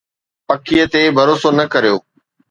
پکيءَ تي ڀروسو نه ڪريو